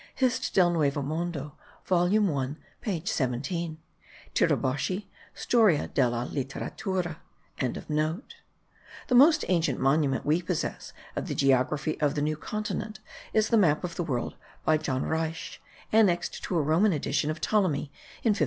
Hist. del Nuevo Mundo volume 1 page 17. Tiraboschi, Storia della Litteratura.) The most ancient monument we possess of the geography of the New Continent,* is the map of the world by John Ruysch, annexed to a Roman edition of Ptolemy in 1508.